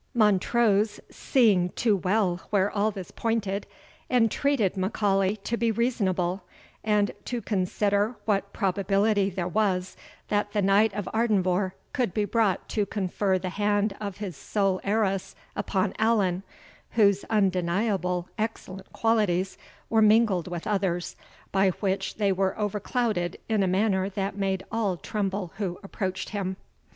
Montrose, seeing too well where all this pointed, entreated M'Aulay to be reasonable, and to consider what probability there was that the Knight of Ardenvohr could be brought to confer the hand of his sole heiress upon Allan, whose undeniable excellent qualities were mingled with others, by which they were overclouded in a manner that made all tremble who approached him.